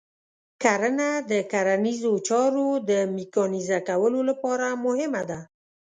کرنه د کرنیزو چارو د میکانیزه کولو لپاره مهمه ده.